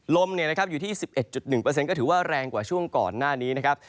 ลมอยู่ที่๑๑๑๑ก็ถือว่าแรงกว่าช่วงก่อนหน้านี้นะครับ